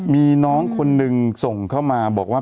มีน้องคนหนึ่งส่งเข้ามาบอกว่า